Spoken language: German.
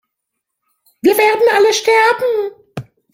Wir werden alle sterben